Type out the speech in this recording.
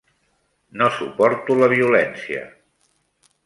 No suporto la violència.